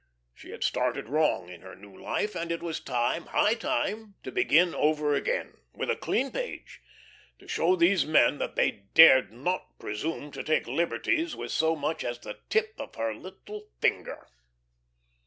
She had started wrong in her new life, and it was time, high time, to begin over again with a clean page to show these men that they dared not presume to take liberties with so much as the tip of her little finger.